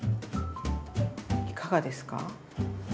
いかがですか？